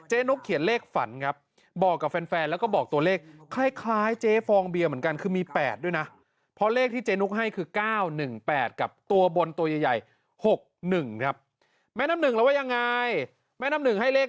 ๖หนึ่งครับแม่น้ำหนึ่งแล้วว่ายังไงแม่น้ำหนึ่งให้เลข